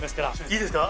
いいですか？